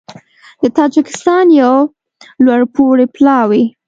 د تاجېکستان یو لوړپوړی پلاوی